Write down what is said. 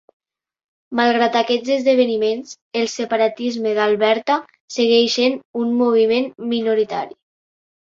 Malgrat aquests esdeveniments, el separatisme d'Alberta segueix sent un moviment minoritari.